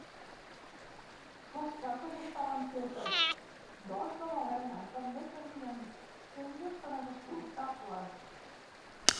Les cases estaven fetes d'os de balena, també tenien tendes transportables.